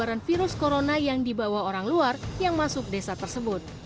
penyebaran virus corona yang dibawa orang luar yang masuk desa tersebut